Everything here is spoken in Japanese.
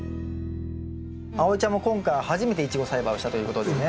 あおいちゃんも今回は初めてイチゴ栽培をしたということでね。